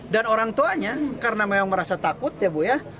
dan orang tuanya karena memang merasa takut ya bu ya